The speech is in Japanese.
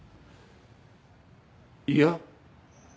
いや。